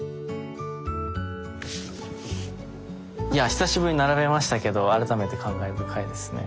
いや久しぶりに並べましたけど改めて感慨深いですね。